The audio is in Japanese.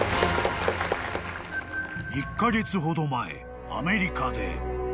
［１カ月ほど前アメリカで］